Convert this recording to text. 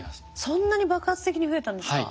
そんなに爆発的に増えたんですか？